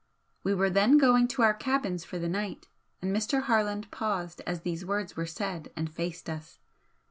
We were then going to our cabins for the night, and Mr. Harland paused as these words were said and faced us.